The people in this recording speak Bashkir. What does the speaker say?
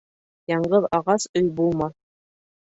Яңғыҙ ағас өй булмаҫ